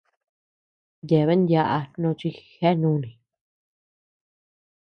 Yeabean yáʼa nochi jijéa nùni.